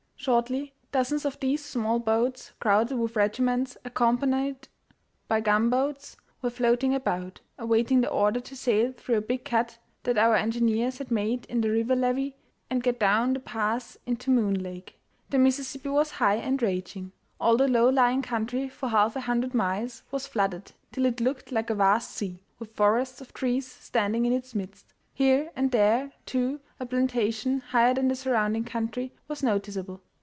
Shortly, dozens of these small boats, crowded with regiments, accompanied by gunboats, were floating about, awaiting the order to sail through a big cut that our engineers had made in the river levee and get down the pass into Moon Lake. The Mississippi was high and raging. All the low lying country for half a hundred miles was flooded till it looked like a vast sea, with forests of trees standing in its midst. Here and there, too, a plantation, higher than the surrounding country, was noticeable.